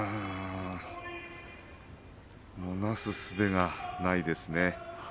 なすすべがないですね。